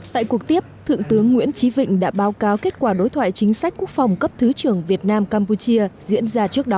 tại cuộc tiếp thượng tướng nguyễn trí vịnh đã báo cáo kết quả đối thoại chính sách quốc phòng cấp thứ trưởng việt nam campuchia diễn ra trước đó